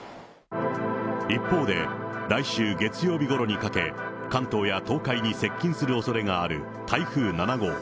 一方で、来週月曜日ごろにかけ、関東や東海に接近するおそれがある台風７号。